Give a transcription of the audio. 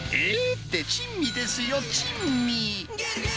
って、珍味ですよ、珍味。